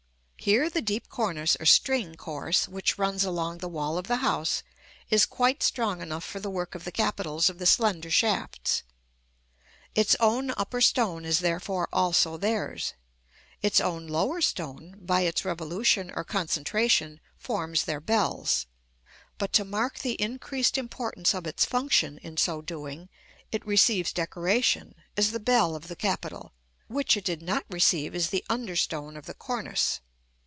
Here the deep cornice or string course which runs along the wall of the house is quite strong enough for the work of the capitals of the slender shafts: its own upper stone is therefore also theirs; its own lower stone, by its revolution or concentration, forms their bells: but to mark the increased importance of its function in so doing, it receives decoration, as the bell of the capital, which it did not receive as the under stone of the cornice.